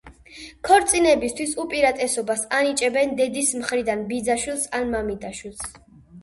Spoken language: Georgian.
ქორწინებისთვის უპირატესობას ანიჭებენ დედის მხრიდან ბიძაშვილს ან მამიდაშვილს.